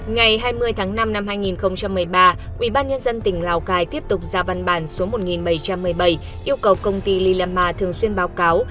ngày hai mươi tháng năm năm hai nghìn một mươi ba ubnd tỉnh lào cai tiếp tục ra văn bản số một nghìn bảy trăm một mươi bảy yêu cầu công ty lilama thường xuyên báo cáo